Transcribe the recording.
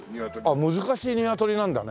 あっ難しいニワトリなんだね。